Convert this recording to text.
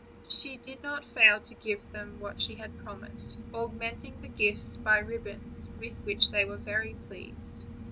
She did not fail to give them what she had promised, augmenting the gifts by ribbons, with which they were very pleased.